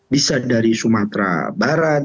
bisa dari sumatera barat